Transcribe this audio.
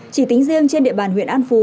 chỉ tính riêng trên địa bàn huyện an phú